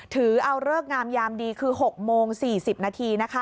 ถือเอาเลิกงามยามดีคือ๖โมง๔๐นาทีนะคะ